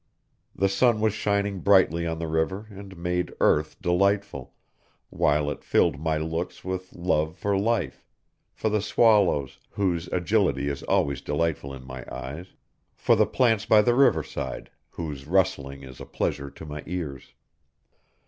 The sun was shining brightly on the river and made earth delightful, while it filled my looks with love for life, for the swallows, whose agility is always delightful in my eyes, for the plants by the riverside, whose rustling is a pleasure to my ears.